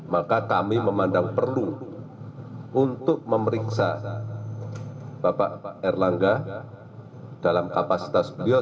maka kami memandang perlu untuk memeriksa bapak erlangga dalam kapasitas beliau